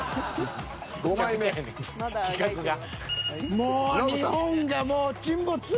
もう日本がもう沈没する！